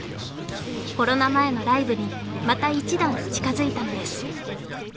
コロナ前のライブにまた一段近づいたのです